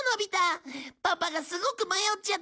パパがすごく迷っちゃってるんだ！